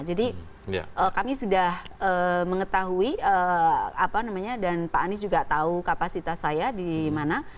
jadi kami sudah mengetahui apa namanya dan pak anies juga tahu kapasitas saya di mana